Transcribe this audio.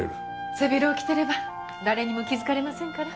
背広を着ていれば誰にも気づかれませんから。